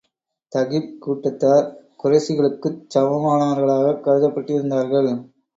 தகீப் கூட்டத்தார் குறைஷிகளுக்குச் சமமானவர்களாகக் கருதப்பட்டிருந்தார்கள்.